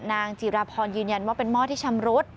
จีราพรยืนยันว่าเป็นหม้อที่ชำรุด